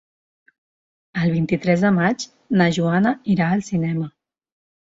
El vint-i-tres de maig na Joana irà al cinema.